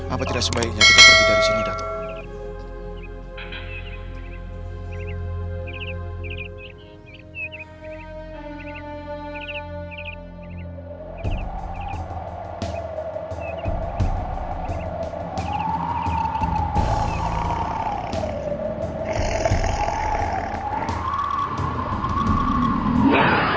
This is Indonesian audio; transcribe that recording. apa tidak sebaiknya kita pergi dari sini datuk